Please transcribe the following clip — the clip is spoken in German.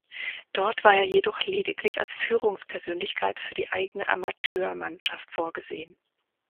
Dort war er jedoch lediglich als Führungspersönlichkeit für die eigene Amateurmannschaft vorgesehen.